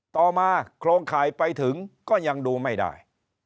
ต่อมาโครงข่ายไปถึงก็ยังดูไม่ได้